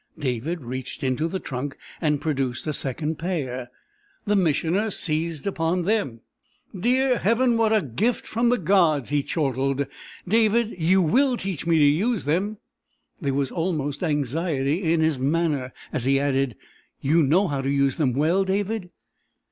David reached into the trunk and produced a second pair. The Missioner seized upon them. "Dear Heaven, what a gift from the gods!" he chortled. "David, you will teach me to use them?" There was almost anxiety in his manner as he added, "You know how to use them well, David?"